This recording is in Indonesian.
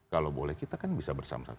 kalau boleh kita kan bisa bersama sama